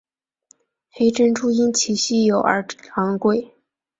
黑珍珠因其稀有而昂贵。